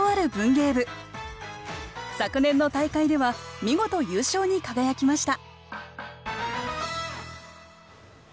昨年の大会では見事優勝に輝きました